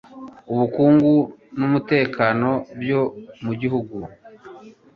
ubukungu n'umutekano byo mu gihugu